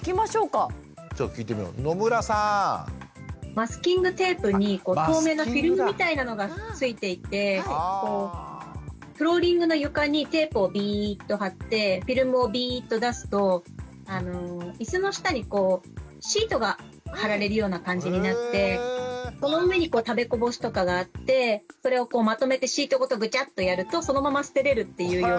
マスキングテープに透明なフィルムみたいなのがついていてフローリングの床にテープをビーッとはってフィルムをビーッと出すと椅子の下にシートがはられるような感じになってその上に食べこぼしとかがあってそれをまとめてシートごとグチャッとやるとそのまま捨てれるっていうような。